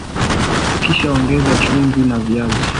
Kisha ongeza chumvi na viazi